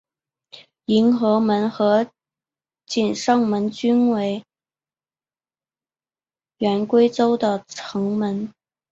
迎和门和景圣门均为原归州的城门。